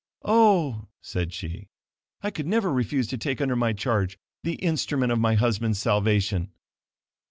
Oh," said she, "I could never refuse to take under my charge the instrument of my husband's salvation."